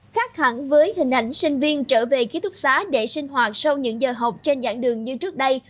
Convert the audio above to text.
khác hẳn với hình ảnh sinh viên trở về ký túc xá để sinh hoạt sau những giờ học trên dạng đường như trước đây